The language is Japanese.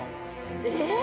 えっ？